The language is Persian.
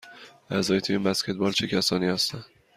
اعضای تیم بسکتبال چه کسانی هستند؟